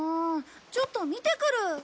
ちょっと見てくる。